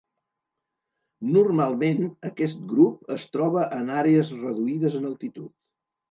Normalment aquest grup es troba en àrees reduïdes en altitud.